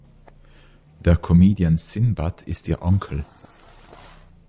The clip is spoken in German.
Der Comedian Sinbad ist ihr Onkel.